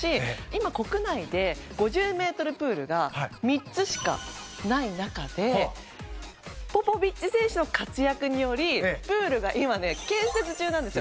今国内で５０メートルプールが３つしかない中でポポビッチ選手の活躍によりプールが今ね建設中なんですよ。